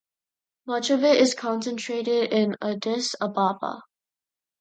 Much of it is concentrated in Addis Ababa.